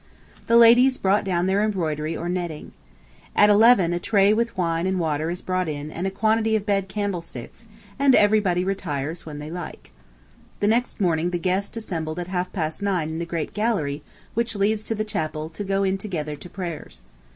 The ladies brought down their embroidery or netting. At eleven a tray with wine and water is brought in and a quantity of bed candlesticks, and everybody retires when they like. The next morning the guests assembled at half past nine in the great gallery which leads to the chapel to go in together to prayers.